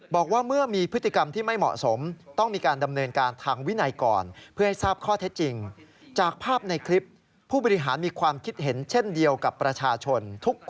บอกว่าเมื่อมีพฤติกรรมที่ไม่เหมาะสม